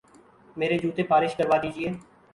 میرے جوتے پالش کروا دیجئے